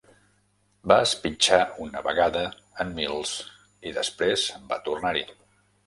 Va espitxar una vegada en Mills i després va tornar-hi.